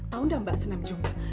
tahu nggak mbak senam jumber